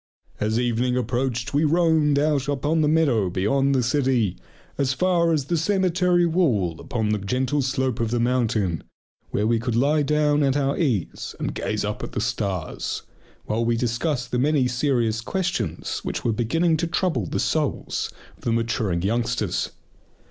As evening approached we roamed out upon the meadow beyond the city, as far as the cemetery wall upon the gentle slope of the mountain, where we could lie down at our ease and gaze up at the stars, while we discussed the many serious questions which were beginning to trouble the souls of the maturing youngsters.